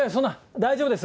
大丈夫です。